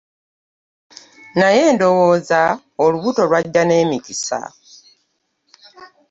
Naye ndowooza olubuto lwajja n'emikisa.